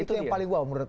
itu yang paling wow menurut